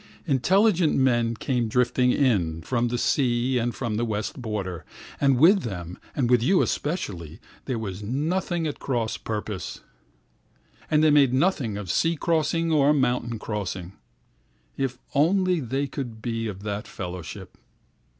Intelligent men came drifting in, from the seaand from the west border, And with them, and with you especially, there was nothing at cross purpose; And they made nothing of sea crossingor of mountain crossing, If only they could be of that fellowship.